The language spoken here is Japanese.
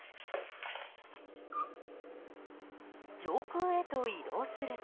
上空へと移動すると。